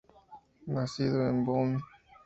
Nacido en Boone.